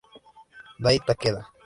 Dai Takeda